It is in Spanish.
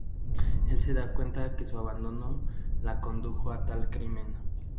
El se da cuenta de que su abandono la condujo a tal crimen.